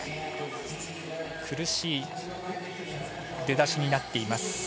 苦しい出だしになっています。